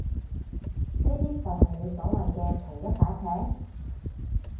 呢啲就係你所謂嘅同一把尺？